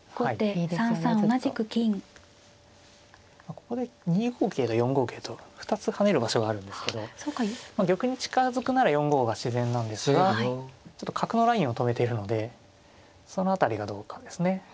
ここで２五桂と４五桂と２つ跳ねる場所があるんですけど玉に近づくなら４五が自然なんですがちょっと角のラインを止めているのでその辺りがどうかですね。